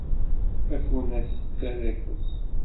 Tafunast tettarra ifeẓ.